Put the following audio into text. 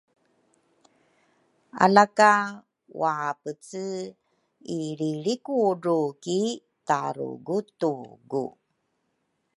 alaka waapece ilrilrikudru ki tarugutugu